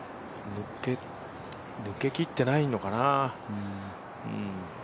抜けきってないのかな。